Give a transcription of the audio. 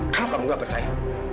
kalau kamu gak percaya